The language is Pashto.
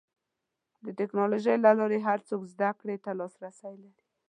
د ټکنالوجۍ له لارې هر څوک زدهکړې ته لاسرسی لري.